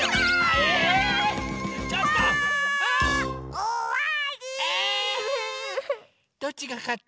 えっ⁉どっちがかった？